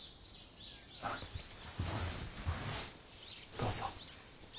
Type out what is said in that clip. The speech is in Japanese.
どうぞ。